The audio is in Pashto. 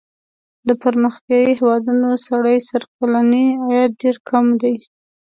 د پرمختیايي هېوادونو سړي سر کلنی عاید ډېر کم دی.